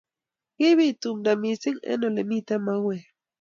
Kibiit tumdo missing eng olemiten mauek